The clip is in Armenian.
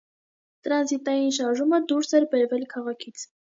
Տրանզիտային շարժումը դուրս էր բերվել քաղաքից։